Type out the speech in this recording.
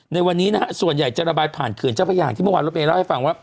ในวันนี้นะฮะส่วนใหญ่จะระบายผ่านเกินเจ้าพญาที่เมื่อวานเราไปแล้วให้ฟังว่า